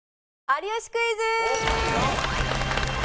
『有吉クイズ』！